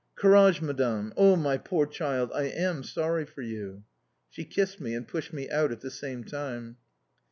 Courage, Madame. Oh, my poor child, I am sorry for you!" She kissed me, and pushed me out at the same time.